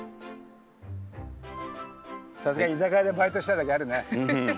さすが居酒屋でバイトしてただけあるね。